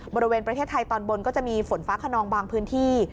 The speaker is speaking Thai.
บริเวณประเทศไทยตอนบนก็จะมีฝนฟ้าขนองบางพื้นที่